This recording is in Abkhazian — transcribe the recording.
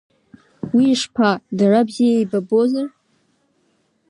Уи ишԥа, дара бзиа еибабозар?